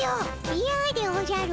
イヤでおじゃる。